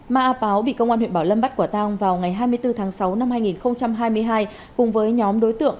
ma a páo bị công an huyện bảo lâm bắt quả tang vào ngày hai mươi bốn tháng sáu năm hai nghìn hai mươi hai cùng với nhóm đối tượng